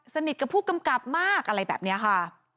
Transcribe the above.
สนิทกับผู้กำกับมากอะไรแบบนี้ค่ะ